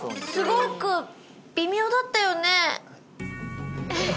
すごく微妙だったよね？